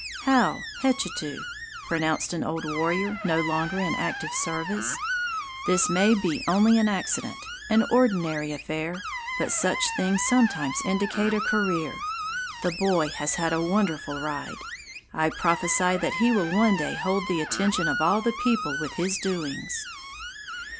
"How, hechetu," pronounced an old warrior no longer in active service. "This may be only an accident, an ordinary affair; but such things sometimes indicate a career. The boy has had a wonderful ride. I prophesy that he will one day hold the attention of all the people with his doings."